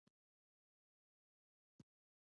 کیمیاګر د ریکارډ لرونکو کتابونو په ډله کې دی.